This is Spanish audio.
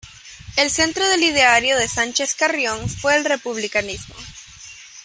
El centro del ideario de Sánchez Carrión fue el republicanismo.